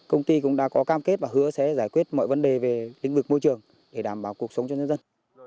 công ty cũng đã có cam kết và hứa sẽ giải quyết mọi vấn đề về lĩnh vực môi trường để đảm bảo cuộc sống cho nhân dân